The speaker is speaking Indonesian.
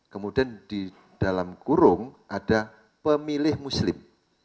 kemudian di dalam kurung ada pemilih muslim